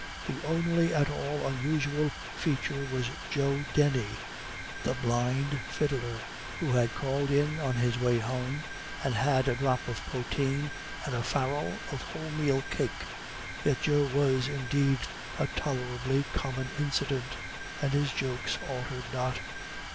The only at all unusual feature was Joe Denny, the blind fiddler, who had called in on his way home and had a drop of poteen and a farrel of wholemeal cake. Yet Joe was indeed a tolerably common incident, and his jokes altered not.